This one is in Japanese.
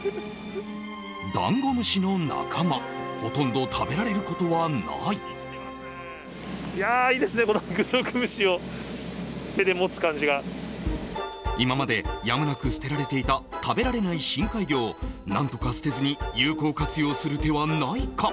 ダンゴムシの仲間、ほとんどいやー、いいですね、このグ今までやむなく捨てられていた、食べられない深海魚を、なんとか捨てずに有効活用する手はないか。